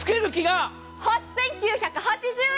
８９８０円。